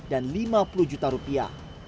dan lima puluh juta rupiah